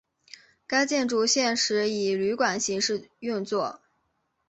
该建筑现时以旅馆形式运作。